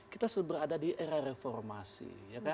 kita sudah berada di era reformasi